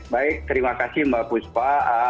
baik terima kasih mbak puspa